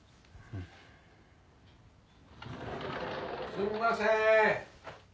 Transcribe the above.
すんませーん。